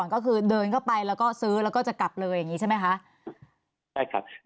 เราก็คือเดินเข้าไปแล้วก็ซื้อแล้วก็จะกลับเลยใช่ไหมคะ